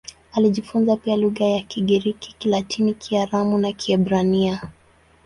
Alijifunza pia lugha za Kigiriki, Kilatini, Kiaramu na Kiebrania.